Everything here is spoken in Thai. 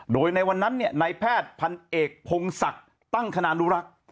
โดยในวันนั้นในแพทย์พันเอกพงศักดิ์ตั้งคณานุรักษ์